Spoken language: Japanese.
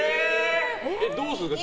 どうするんですか？